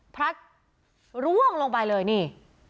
พลัดร่วงลงไปเลยนี่